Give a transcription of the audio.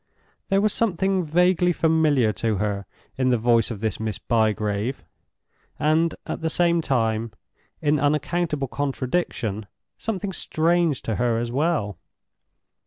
There was something vaguely familiar to her in the voice of this Miss Bygrave, and, at the same time, in unaccountable contradiction, something strange to her as well.